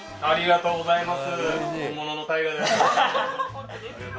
ありがとうございます。